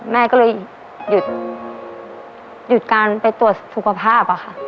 แม่ก็เลยหยุดการไปตรวจสุขภาพค่ะ